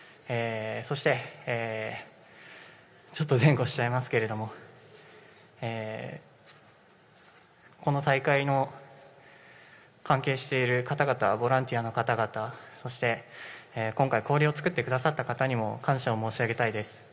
そして前後しちゃいますけれども、この大会の関係している方々、ボランティアの方々そして、今回氷をつくってくださった方々にも感謝を申し上げたいです。